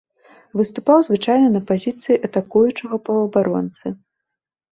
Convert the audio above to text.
Выступаў звычайна на пазіцыі атакуючага паўабаронцы.